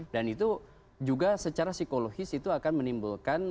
dan itu juga secara psikologis itu akan menimbulkan